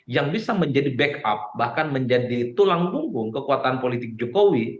yang bisa menjadi backup bahkan menjadi tulang punggung kekuatan politik jokowi